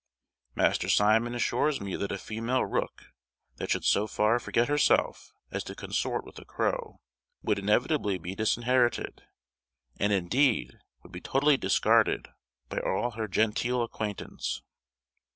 Master Simon assures me that a female rook that should so far forget herself as to consort with a crow, would inevitably be disinherited, and indeed would be totally discarded by all her genteel acquaintance.